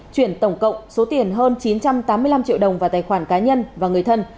chuyển tổng cộng số tiền hơn chín trăm tám mươi năm triệu đồng vào tài khoản cá nhân và người thân